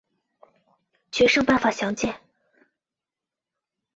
决胜办法详见。